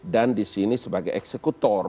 dan disini sebagai eksekutor